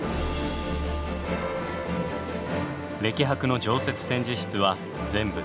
歴博の常設展示室は全部で６つ。